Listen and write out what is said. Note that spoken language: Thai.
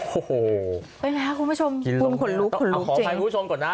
โอ้โหเป็นไงค่ะคุณผู้ชมกลุ่มขนลุกขนลุกจริงขอให้คุณผู้ชมก่อนนะ